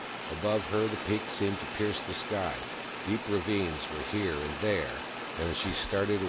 Above her the peaks seemed to pierce the sky. Deep ravines were here and there, and she started away ^,\!